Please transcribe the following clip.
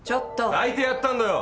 抱いてやったんだよ！